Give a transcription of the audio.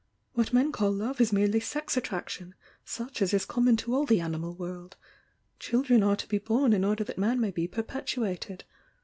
What men call love is merely sex attraction such as 18 common to all the animal world. Children are to be bom m order that man may be perpetuated.